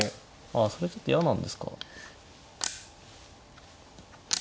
あそれちょっと嫌なんですか。